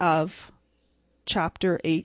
CHAPTER XIX.